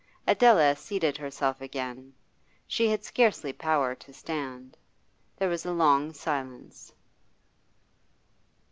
Adela seated herself again; she had scarcely power to stand. There was a long silence.